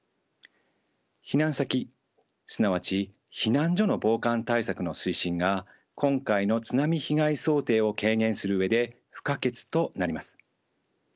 避難先すなわち避難所の防寒対策の推進が今回の津波被害想定を軽減する上で不可欠となります。